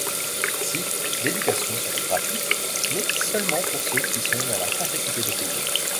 Ainsi, l'éducation serait gratuite, mais seulement pour ceux qui sont dans l'incapacité de payer.